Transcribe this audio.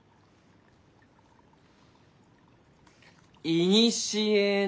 「いにしへの」。